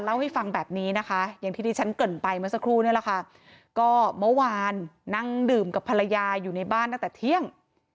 อย่างที่ที่ฉันเกิดไปมาสักครู่นี่แหละค่ะก็เมื่อวานนั่งดื่มกับภรรยาอยู่ในบ้านตั้งแต่เที่ยง